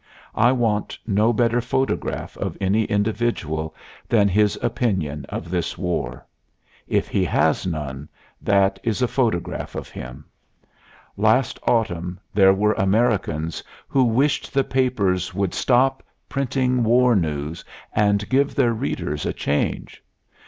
I want no better photograph of any individual than his opinion of this war. If he has none, that is a photograph of him. Last autumn there were Americans who wished the papers would stop printing war news and give their readers a change.